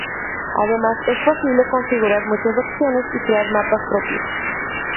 Además, es posible configurar muchas opciones y crear mapas propios.